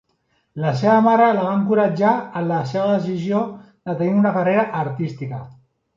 La seva mare la va encoratjar en la seva decisió de tenir una carrera artística.